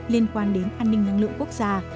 liên quan đến an ninh năng lượng quốc gia